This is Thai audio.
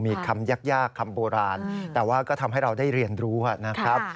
มีคำยากคำโบราณแต่ว่าก็ทำให้เราได้เรียนรู้นะครับ